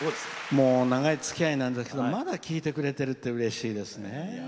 長いつきあいなのにまだ聴いてくれてるってうれしいですね。